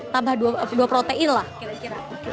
tambah dua protein lah kira kira